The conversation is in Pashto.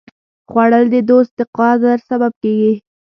خوړل د دوست د قدر سبب کېږي